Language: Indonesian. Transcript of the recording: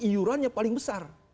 iuran itu utilitasnya paling besar